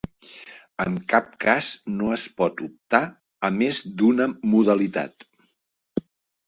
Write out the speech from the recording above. En cap cas no es pot optar a més d'una modalitat.